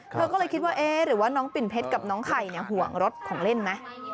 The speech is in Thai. เธอก็เลยคิดว่าเอ๊ะหรือว่าน้องปิ่นเพชรกับน้องไข่ห่วงรถของเล่นไหม